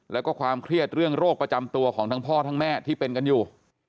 แล้วก็ความเครียดเรื่องโรคประจำตัวของทั้งพ่อทั้งแม่ที่เป็นกันอยู่